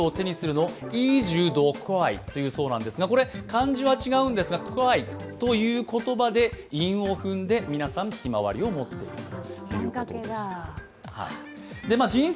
漢字は違うんですがクェイということで韻を踏んで、皆さんひまわりを持っていると。